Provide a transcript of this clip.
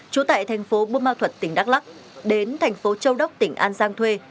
trú tại thành phố bô ma thuật tỉnh đắk lắc đến thành phố châu đốc tỉnh an giang thuê